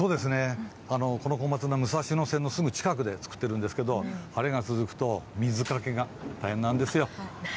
この小松菜、武蔵野線のすぐ近くで作っているんですが晴れが続くと水かけが大変なんですよ。